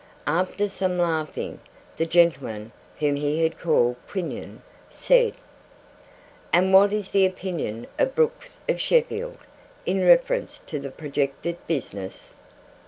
After some laughing, the gentleman whom he had called Quinion, said: 'And what is the opinion of Brooks of Sheffield, in reference to the projected business?